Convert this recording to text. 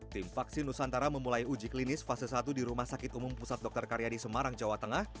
tim vaksin nusantara memulai uji klinis fase satu di rumah sakit umum pusat dr karyadi semarang jawa tengah